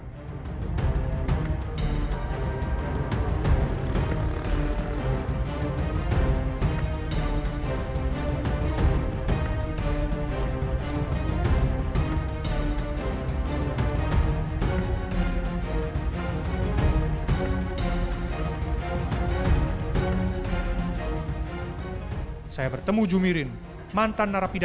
ketabahan perempuan ini menuai hasil